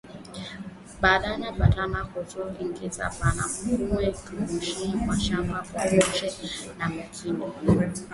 Bana ba kataza ku ingisha banamuke mu mashamba kwa ba chefu ya mikini